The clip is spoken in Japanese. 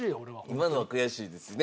今のは悔しいですね。